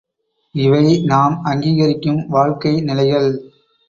இவை நாம் அங்கீகரிக்கும் வாழ்க்கை நிலைகள்.